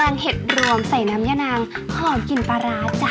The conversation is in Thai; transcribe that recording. งเห็ดรวมใส่น้ำยะนางหอมกลิ่นปลาร้าจ้ะ